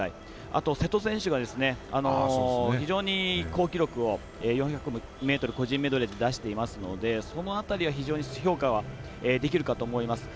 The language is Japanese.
あと瀬戸選手が非常に好記録を４００ｍ個人メドレーで出していますのでその辺りは非常に評価はできるかと思います。